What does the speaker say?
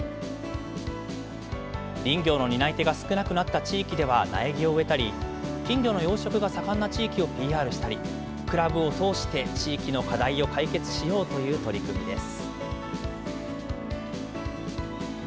林業の担い手が少なくなった地域では苗木を植えたり、金魚の養殖が盛んな地域をＰＲしたり、クラブを通して地域の課題を解決しようという取り組みです。